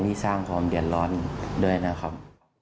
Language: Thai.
ที่สร้างความเดือดร้อนด้วยนะครับ